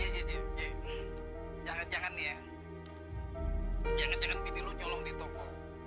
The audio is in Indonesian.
ji jangan jangan pilih ibu nyolong di toko